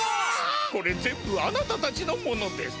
これ全部あなたたちのものです。